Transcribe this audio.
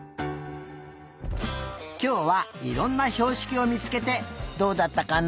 きょうはいろんなひょうしきをみつけてどうだったかな？